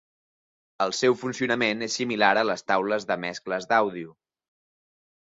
El seu funcionament és similar a les taules de mescles d'àudio.